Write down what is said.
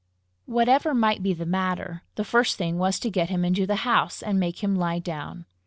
Whatever might be the matter, the first thing was to get him into the house, and make him lie down.